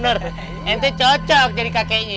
ente cocok jadi kakeknya